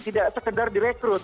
tidak sekedar direkrut